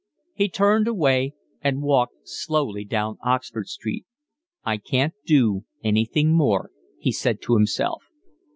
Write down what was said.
He turned away and walked slowly down Oxford Street. "I can't do anything more," he said to himself.